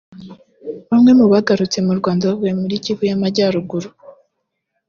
Bamwe mu bagarutse mu Rwanda bavuye muri Kivu y’Amajyaruguru